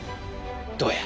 どうや？